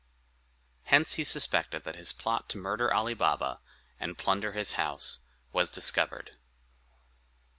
Hence he suspected that his plot to murder Ali Baba, and plunder his house, was discovered.